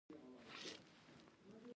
د devaluation زیانونه هم نه وي.